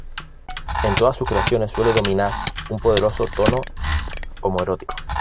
En todas sus creaciones suele dominar un poderoso tono homoerótico.